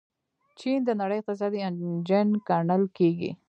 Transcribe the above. چین د نړۍ اقتصادي انجن ګڼل کیږي.